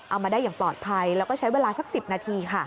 เอามาได้อย่างปลอดภัยแล้วก็ใช้เวลาสัก๑๐นาทีค่ะ